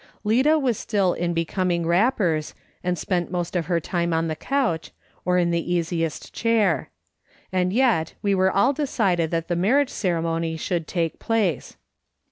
Lida was still in becoming wrappers, and spent most of her time on the couch, or in the easiest chair. And yet we were all decided that the marriage ceremony should take place.